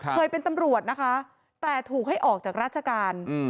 เคยเป็นตำรวจนะคะแต่ถูกให้ออกจากราชการ